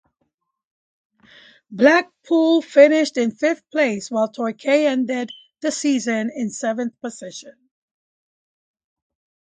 Blackpool finished in fifth place while Torquay ended the season in seventh position.